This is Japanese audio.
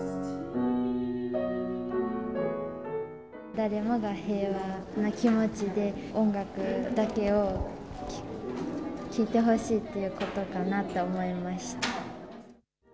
誰もが平和な気持ちで、音楽だけを聴いてほしいっていうことかなって思いました。